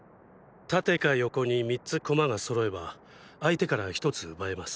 縦か横に３つコマが揃えば相手から１つ奪えます。